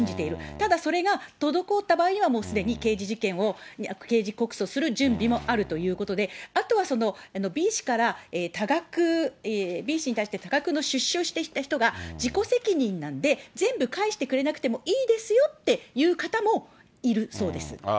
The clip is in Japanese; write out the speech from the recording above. ただそれが滞った場合には、もうすでに刑事事件を、刑事告訴をする準備もあるということで、あとはＢ氏から多額、Ｂ氏に対して多額の出資をしてきた人が自己責任なんで、全部返してくれなくてもいいですよっていう方もいるそうです。